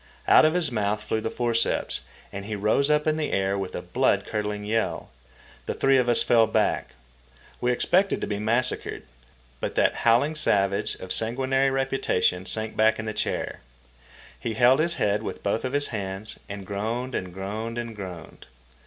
Out of his month flew the forceps, and he rose up in the air with a blood curdling yell. The three of us fell back. We expected to be massacred. But that howling savage of sanguinary reputation sank back in the chair. He held his head in both his hands, and groaned and groaned and groaned.